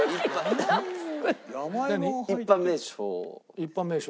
一般名称。